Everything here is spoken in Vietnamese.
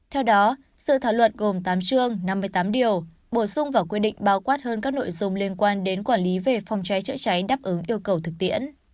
theo đó sự thảo luật gồm tám chương năm mươi tám điều bổ sung và quy định bao quát hơn các nội dung liên quan đến quản lý về phòng cháy chữa cháy đáp ứng yêu cầu thực tiễn